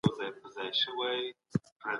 که چېري د ښځو حقونو په اړه پوهه اړینه سي.